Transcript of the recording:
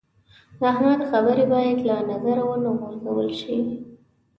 د احمد خبرې باید له نظره و نه غورځول شي.